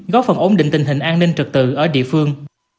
góp phần ổn định tình hình an ninh trật tự ở địa phương